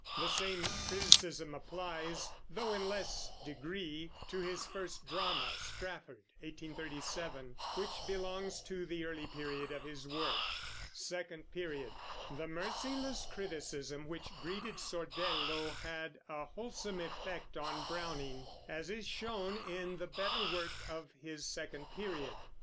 The same criticism applies, though in less degree, to his first drama, Strafford (1837), which belongs to the early period of his work. The merciless criticism which greeted Sordello had a wholesome effect on Browning, as is shown in the better work of his second period.